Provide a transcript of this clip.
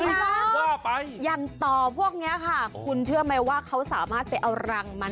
ว่าไปอย่างต่อพวกนี้ค่ะคุณเชื่อไหมว่าเขาสามารถไปเอารังมัน